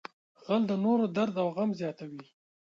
غل د نورو درد او غم زیاتوي